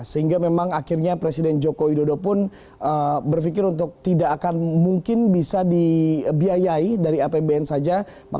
sehingga memang akhirnya presiden joko widodo pun berpikir untuk tidak akan mungkin bisa dibiayai dari apbn saja